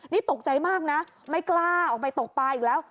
นี่ตกใจมากนะไม่กล้าออกไปตกปลาอีกแล้ว